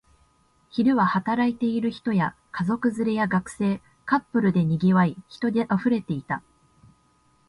昼は働いている人や、家族連れや学生、カップルで賑わい、人で溢れていた